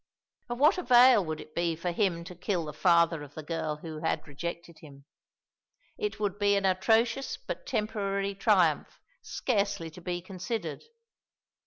Of what avail would it be for him to kill the father of the girl who had rejected him? It would be an atrocious but temporary triumph scarcely to be considered.